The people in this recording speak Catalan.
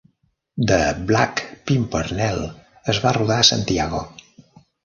"The Black Pimpernel" es va rodar a Santiago.